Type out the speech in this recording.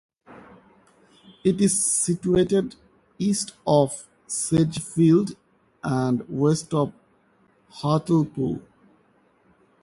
It is situated east of Sedgefield and west of Hartlepool.